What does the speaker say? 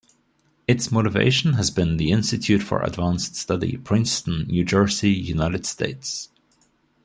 Its motivation has been the Institute for Advanced Study, Princeton, New Jersey, United States.